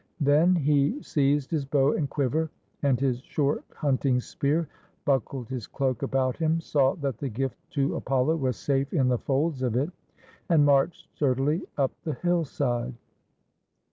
Then he seized his bow and quiver, and his short hunting spear, buckled his cloak about him, saw that the gift to Apollo was safe in the folds of it, and marched sturdily up the hillside.